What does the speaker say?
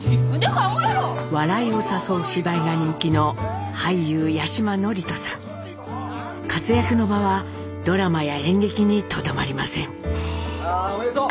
笑いを誘う芝居が人気の活躍の場はドラマや演劇にとどまりません。